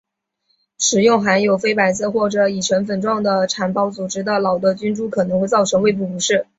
食用含有非白色或已成粉状的产孢组织的老的菌株可能会造成胃部不适。